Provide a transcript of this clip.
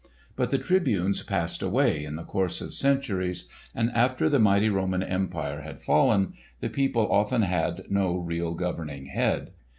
But the Tribunes passed away, in the course of centuries, and after the mighty Roman Empire had fallen, the people often had no real governing head.